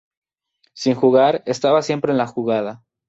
Sin jugar, estaba siempre en la jugada.